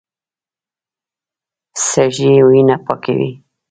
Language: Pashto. سږي وینه پاکوي.